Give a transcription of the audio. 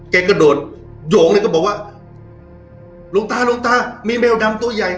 กระโดดโยงเลยก็บอกว่าหลวงตาหลวงตามีแมวดำตัวใหญ่